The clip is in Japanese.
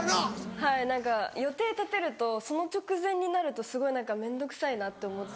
はい何か予定立てるとその直前になるとすごい何か面倒くさいなって思っちゃって。